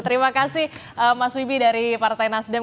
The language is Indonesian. terima kasih mas wibi dari partai nasdem